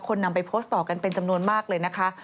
นำไปโพสต์ต่อกันเป็นจำนวนมากเลยนะคะ